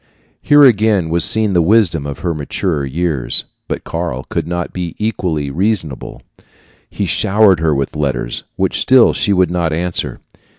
Here again was seen the wisdom of her maturer years; but Karl could not be equally reasonable. He showered her with letters, which still she would not answer.